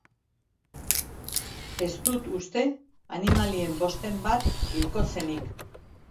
Ez dut uste animalien bosten bat hilko zenik.